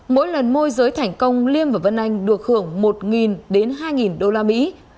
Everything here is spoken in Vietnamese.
mỗi lần môi giới thành công liêm và vân anh được hưởng một đến hai đô la mỹ